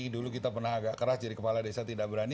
dulu kita pernah agak keras jadi kepala desa tidak berani